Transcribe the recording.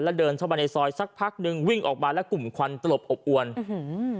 แล้วเดินเข้ามาในซอยสักพักนึงวิ่งออกมาแล้วกลุ่มควันตลบอบอวนอื้อหือ